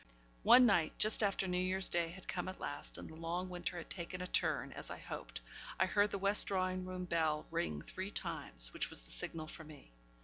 One night just after New Year's Day had come at last, and the long winter had taken a turn, as I hoped I heard the west drawing room bell ring three times, which was the signal for me.